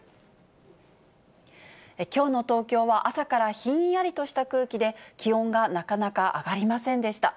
きょうの東京は朝からひんやりとした空気で、気温がなかなか上がりませんでした。